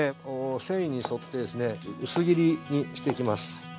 繊維に沿って薄切りにしていきます。